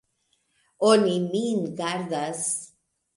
Oni min gardas.